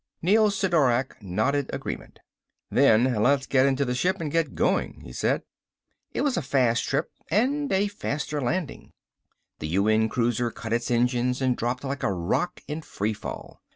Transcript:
Neel Sidorak nodded agreement. "Then let's get into the ship and get going," he said. It was a fast trip and a faster landing. The UN cruiser cut its engines and dropped like a rock in free fall.